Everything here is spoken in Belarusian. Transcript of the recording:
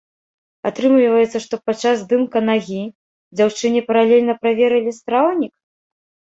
Атрымліваецца, што падчас здымка нагі дзяўчыне паралельна праверылі страўнік?!